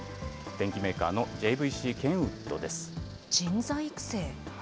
電機メーカーのＪＶＣケンウッド人材育成。